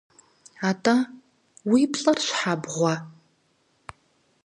АтӀэ, уи плӀэр щхьэ бгъуэ?